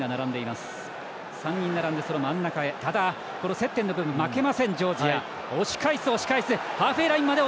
接点の部分、負けませんジョージア。